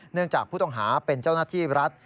เนื่องจากผู้ต้องหาเป็นเจ้าหน้าที่รัฐ